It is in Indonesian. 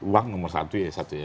uang nomor satu ya